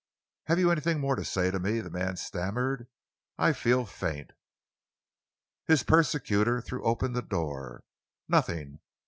"Have you anything more to say to me?" the man stammered. "I feel faint." His persecutor threw open the door. "Nothing!